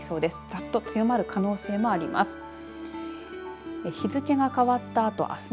ざっと強まる可能性もあります。